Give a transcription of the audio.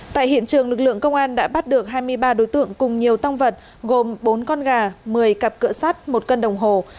tại hiện trường lực lượng công an đã bắt được hai mươi ba đối tượng cùng nhiều tăng vật gồm bốn con gà một mươi cặp cỡ sắt một cân đồng hồ